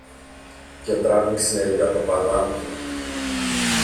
και τράβηξε για το παλάτι.